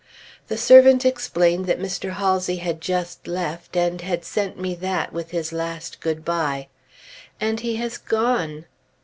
The servant explained that Mr. Halsey had just left, and sent me that with his last good bye. And he has gone!